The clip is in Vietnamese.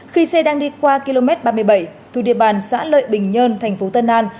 khi xe đang đi qua km ba mươi bảy thu địa bàn xã lợi bình nhơn tp tân an